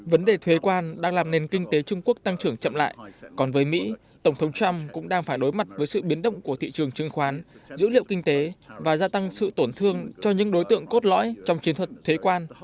vấn đề thuế quan đang làm nền kinh tế trung quốc tăng trưởng chậm lại còn với mỹ tổng thống trump cũng đang phải đối mặt với sự biến động của thị trường chứng khoán dữ liệu kinh tế và gia tăng sự tổn thương cho những đối tượng cốt lõi trong chiến thuật thuế quan